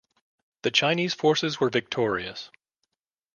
The Chinese forces were victorious.